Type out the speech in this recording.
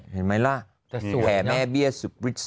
เห็นไหมล่ะแผ่แม่เบี้ยสุด